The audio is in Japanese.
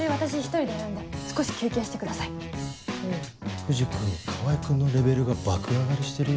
藤君川合君のレベルが爆上がりしてるよ。